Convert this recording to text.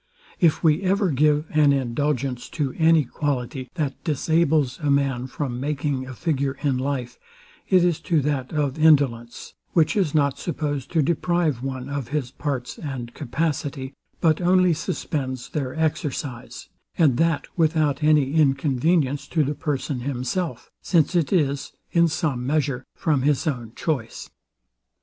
If we ever give an indulgence to any quality, that disables a man from making a figure in life, it is to that of indolence, which is not supposed to deprive one of his parts and capacity, but only suspends their exercise; and that without any inconvenience to the person himself, since it is, in some measure, from his own choice.